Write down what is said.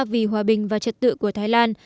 vì hòa bình và trật tự của thái lan